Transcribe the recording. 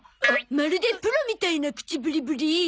まるでプロみたいな口ぶりぶり。